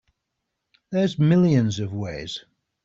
There's millions of ways.